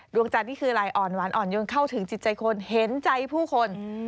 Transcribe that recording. ดวงจันทร์นี่คืออะไรอ่อนหวานอ่อนยนเข้าถึงจิตใจคนเห็นใจผู้คน